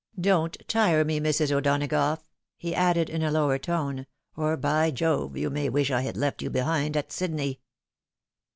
" Don't tire me, Mrs. O'Donagough," he added, in a lower tone, " or by Jove you may wish I had left you behind at Sydney."